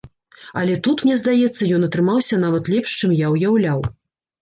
Але тут, мне здаецца, ён атрымаўся нават лепш, чым я ўяўляў.